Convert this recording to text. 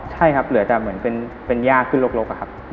ใช่ครับเหมือนเป็นยาขึ้นโรคครับ